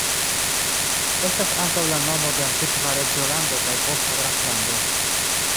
Estas ankaŭ la nomo de antikva reĝolando kaj posta graflando.